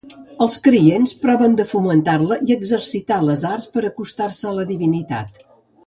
Els creients proven de fomentar-la i exercitar les arts per a acostar-se a la divinitat.